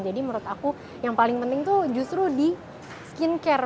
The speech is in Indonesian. jadi menurut aku yang paling penting tuh justru di skin care